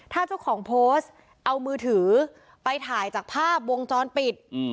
ถ้าเจ้าของโพสต์เอามือถือไปถ่ายจากภาพวงจรปิด